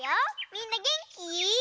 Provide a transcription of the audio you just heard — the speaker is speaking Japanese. みんなげんき？